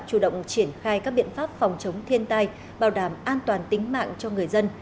chủ động triển khai các biện pháp phòng chống thiên tai bảo đảm an toàn tính mạng cho người dân